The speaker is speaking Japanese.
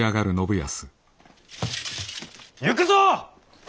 行くぞ！